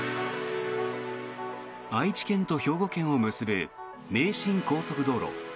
愛知県と兵庫県を結ぶ名神高速道路。